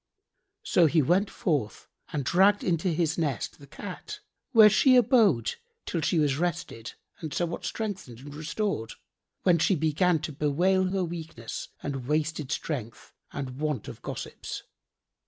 So he went forth and dragged into his nest the Cat, where she abode till she was rested and somewhat strengthened and restored, when she began to bewail her weakness and wasted strength and want of gossips.